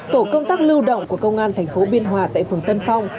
tổ công tác lưu động của công an thành phố biên hòa tại phường tân phong